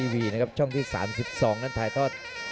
๕๗วิน๒๓ลูซิสและ๓ดอร์